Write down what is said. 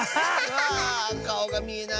わかおがみえない。